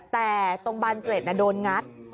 แต่ตรงบานเกร็ดโดนงัด